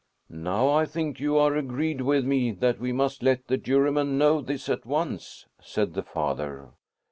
"Now I think you are agreed with me that we must let the Juryman know this at once," said the father.